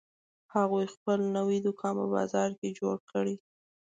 هغوی خپل نوی دوکان په بازار کې جوړ کړی